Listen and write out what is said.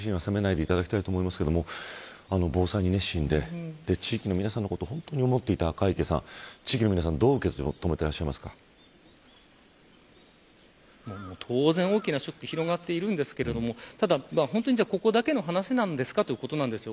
どうかご自身を責めないでいただきたいと思いますが防災に熱心で地域の皆さんのことを思っていた赤池さん地域の皆さん、どう当然、大きなショックが広がっていますがここだけの話なんですかということなんです。